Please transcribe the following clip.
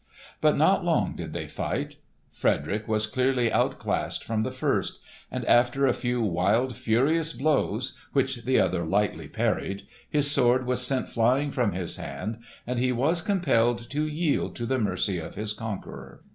But not long did they fight. Frederick was clearly outclassed from the first; and after a few wild, furious blows, which the other lightly parried, his sword was sent flying from his hand, and he was compelled to yield to the mercy of his conqueror.